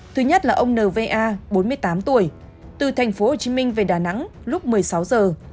thứ nhất là ông n v a bốn mươi tám tuổi từ thành phố hồ chí minh về đà nẵng lúc một mươi sáu giờ